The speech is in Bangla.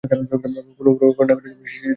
কোনো পরোয়া না করেই সে চাকরিটা ইস্তফা দেয়।